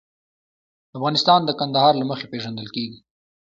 افغانستان د کندهار له مخې پېژندل کېږي.